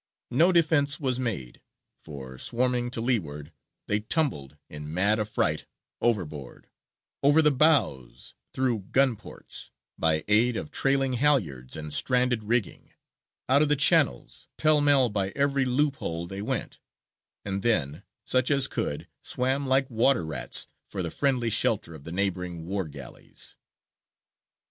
No defence was made, for, swarming to leeward, they tumbled, in mad affright, overboard; over the bows, through gun ports, by aid of trailing halliards and stranded rigging, out of the channels, pell mell by every loop hole they went and then, such as could, swam like water rats for the friendly shelter of the neighbouring war galleys.